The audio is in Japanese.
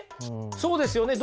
そうですよね。